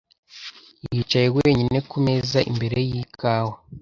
Yicaye wenyine ku meza imbere y’ikawa.